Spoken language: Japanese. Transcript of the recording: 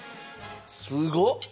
すごっ！